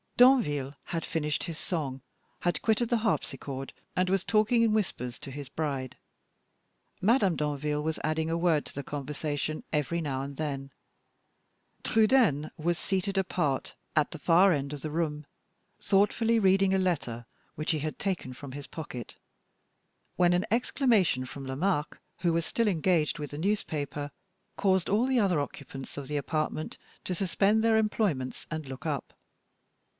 Danville had finished his song, had quitted the harpsichord, and was talking in whispers to his bride; Madame Danville was adding a word to the conversation every now and then; Trudaine was seated apart at the far end of the room, thoughtfully reading a letter which he had taken from his pocket, when an exclamation from Lomaque, who was still engaged with the newspaper, caused all the other occupants of the apartment to suspend their employments and look up.